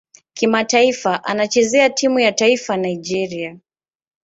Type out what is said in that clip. Kimataifa anachezea timu ya taifa Nigeria.